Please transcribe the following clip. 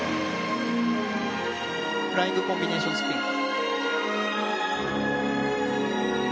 フライングコンビネーションスピン。